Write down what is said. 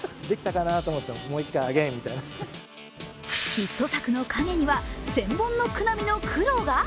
ヒット作の陰には１０００本ノック並みの苦労が？